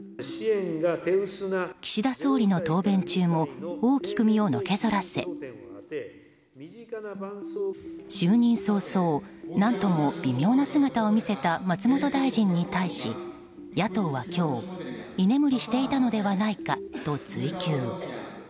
岸田総理の答弁中も大きく身をのけぞらせ就任早々何とも微妙な姿を見せた松本大臣に対し、野党は今日居眠りしていたのではないかと追及。